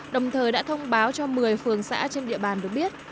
đồng thời đã thông báo cho một mươi phường xã trên địa bàn được biết